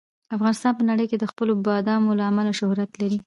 افغانستان په نړۍ کې د خپلو بادامو له امله شهرت لري.